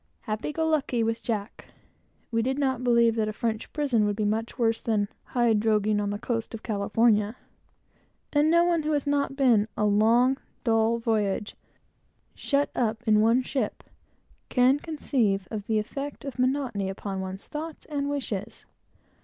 "Happy go lucky" with Jack! We did not believe that a French prison would be much worse than "hide droghing" on the coast of California; and no one who has not been on a long, dull voyage, shut up in one ship, can conceive of the effect of monotony upon one's thoughts and wishes.